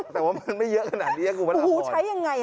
แต่ว่ามันไม่เยอะขนาดนี้อุบันอาบห่อนใช้ยังไงอ่ะ